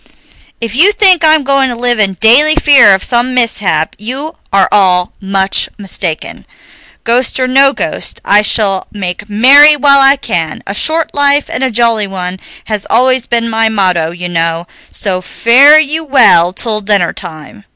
If you think I'm going to live in daily fear of some mishap, you are all much mistaken. Ghost or no ghost, I shall make merry while I can; a short life and a jolly one has always been my motto, you know, so fare you well till dinnertime."